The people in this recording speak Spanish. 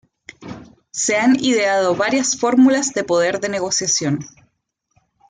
Se han ideado varias fórmulas de poder de negociación.